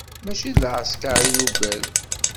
Mačči d lɛesker i nugad.